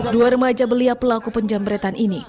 dua remaja belia pelaku penjamretan ini